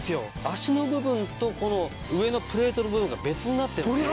脚の部分とこの上のプレートの部分が別になってるんです。